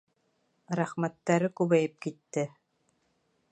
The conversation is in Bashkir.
Рәхмәттәре күбәйеп китте.